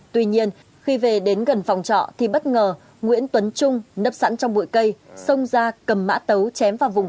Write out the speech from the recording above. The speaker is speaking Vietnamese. tuy nhiên khi về đến gần phòng trọ thì bất ngờ nguyễn tuấn trung nấp sẵn trong bụi cây xông ra cầm mã tấu chém vào vùng